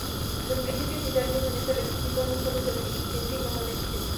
Los principios insertos en este requisito son los de beneficencia y no-maleficencia.